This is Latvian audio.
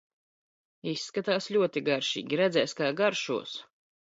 Izskatās ļoti garšīgi, redzēs kā garšos!